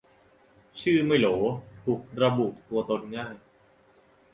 ชื่อไม่โหล ถูกระบุตัวตนง่าย